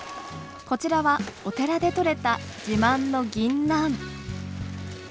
こちらはお寺でとれた自慢のぎんなん。